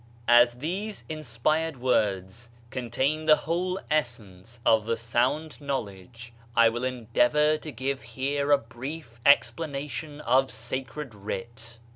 As these inspired words contain the whole essence of the sound knowledge, I will endeavor to give here a brief explanation of sacred writ.